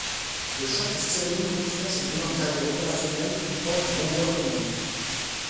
Le Short Stirling continua sa brillante carrière opérationnelle hors du Bomber Command.